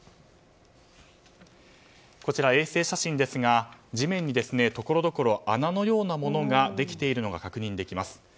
こちら、衛星写真ですが地面にところどころ穴のようなものができているのが確認できます。